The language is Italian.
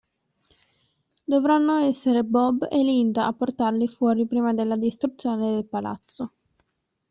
Dovranno essere Bob e Linda a portarli fuori prima della distruzione del palazzo.